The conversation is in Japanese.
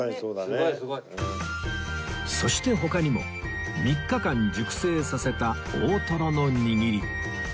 そして他にも３日間熟成させた大トロの握り